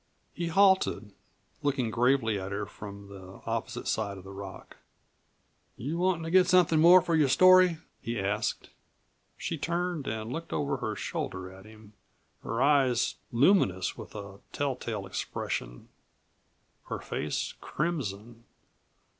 He halted, looking gravely at her from the opposite side of the rock. "You wantin' to get somethin' more for your story?" he asked. She turned and looked over her shoulder at him, her eyes luminous with a tell tale expression, her face crimson.